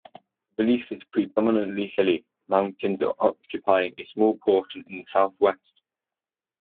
The relief is predominantly hilly, mountains occupying a small portion in the south-west.